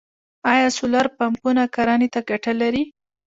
آیا سولر پمپونه کرنې ته ګټه لري؟